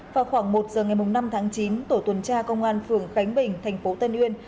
vào khoảng một giờ ngày năm tháng chín tổ tuần tra công an phường khánh bình thành phố tân uyên